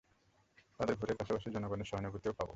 তাদের ভোটের পাশাপাশি জনগণের সহানুভূতিও পাবো।